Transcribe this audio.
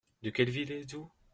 De quelle ville êtes-vous ?